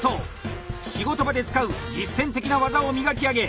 仕事場で使う実践的な技を磨き上げ